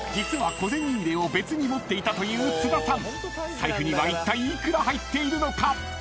［財布にはいったい幾ら入っているのか？］